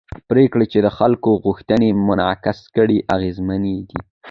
پرېکړې چې د خلکو غوښتنې منعکس کړي اغېزمنې دي